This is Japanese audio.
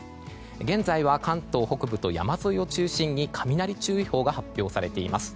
現在は関東北部と山沿いを中心に雷注意報が発表されています。